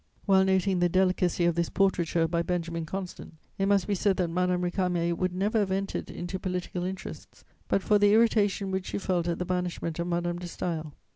While noting the delicacy of this portraiture by Benjamin Constant, it must be said that Madame Récamier would never have entered into political interests but for the irritation which she felt at the banishment of Madame de Staël.